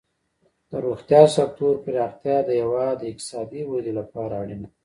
د روغتیا سکتور پراختیا د هیواد د اقتصادي ودې لپاره اړینه ده.